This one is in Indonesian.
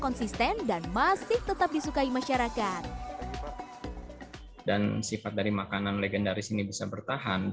konsisten dan masih tetap disukai masyarakat dan sifat dari makanan legendaris ini bisa bertahan